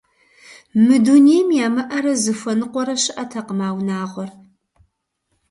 Мы дунейм ямыӀэрэ зыхуэныкъуэрэ щыӀэтэкъым а унагъуэр.